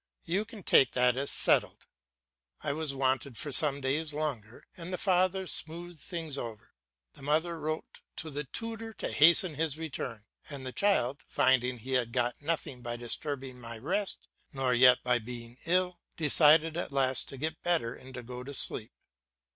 You can take that as settled." I was wanted for some days longer, and the father smoothed things over. The mother wrote to the tutor to hasten his return, and the child, finding he got nothing by disturbing my rest, nor yet by being ill, decided at last to get better and to go to sleep.